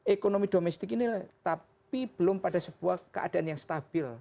ekonomi domestik ini tapi belum pada sebuah keadaan yang stabil